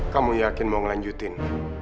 kamu yakin mau ngelanjutin